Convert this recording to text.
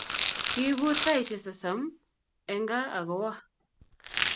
kipur saishe sasamen Kaa akowo